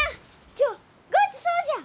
今日ごちそうじゃ！